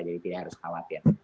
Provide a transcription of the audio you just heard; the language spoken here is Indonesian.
jadi tidak harus khawatir